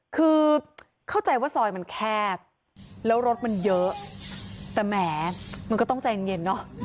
คือเข้าใจว่าซอยมันแคบแล้วรถมันเยอะแต่แหมมันก็ต้องใจเย็นเนอะ